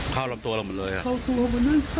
ครับ